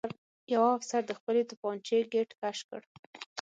یوه افسر د خپلې توپانچې ګېټ کش کړ